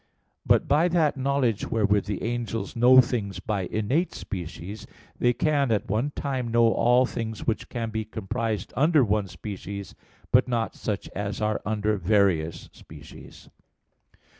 But by that knowledge wherewith the angels know things by innate species, they can at one time know all things which can be comprised under one species; but not such as are under various species.